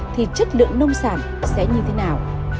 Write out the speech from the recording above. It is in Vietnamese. thì chất lượng nông sản sẽ như thế nào